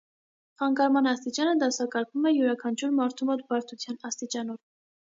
Խանգարման աստիճանը դասակարգվում է յուրաքանչյուր մարդու մոտ բարդության աստիճանով։